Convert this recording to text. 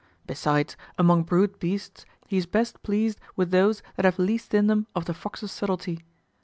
Besides, among brute beasts he is best pleased with those that have least in them of the foxes' subtlety.